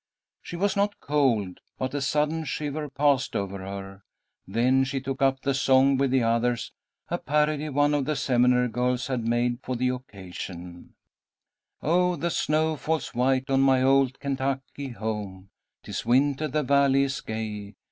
She was not cold, but a sudden shiver passed over her. Then she took up the song with the others, a parody one of the Seminary girls had made for the occasion: "Oh, the snow falls white on my old Kentucky home. 'Tis winter, the Valley is gay.